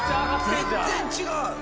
全然違う！